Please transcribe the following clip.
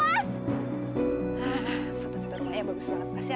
apa yang tawarin sama dia